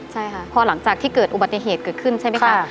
ใช่ค่ะพอหลังจากที่เกิดอุบัติเหตุเกิดขึ้นใช่ไหมคะ